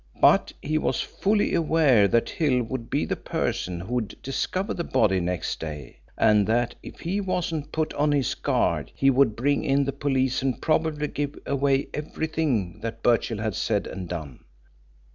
But he was fully aware that Hill would be the person who'd discover the body next day, and that if he wasn't put on his guard he would bring in the police and probably give away everything that Birchill had said and done.